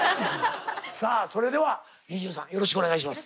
さあそれではＮｉｚｉＵさんよろしくお願いします。